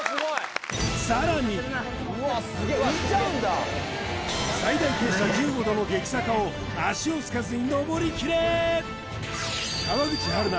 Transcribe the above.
さらにうわっすげえ最大傾斜１５度の激坂を足をつかずにのぼりきれ！